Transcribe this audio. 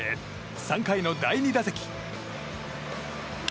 ３回の第２打席。